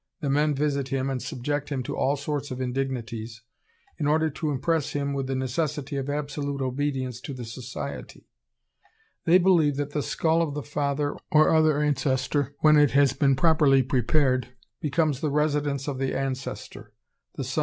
The men visit him and subject him to all sorts of indignities, in order to impress him with the necessity of absolute obedience to the society.... They believe that the skull of the father or other ancestor, when it has been properly prepared, becomes the residence of the ancestor. The son